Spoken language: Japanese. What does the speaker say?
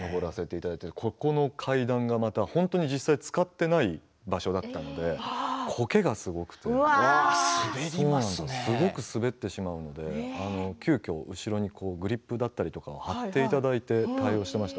この階段が実際使っていない場所だったのでこけがすごくてすごく滑ってしまうので急きょ後ろにグリップだったりを貼っていただいて対応しました。